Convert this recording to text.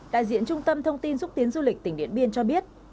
đại diện trung tâm thông tin xúc tiến du lịch tỉnh điện biên cho biết